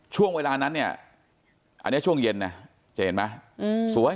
ช่วงเวลานั้นเนี่ยอันนี้ช่วงเย็นนะจะเห็นไหมสวย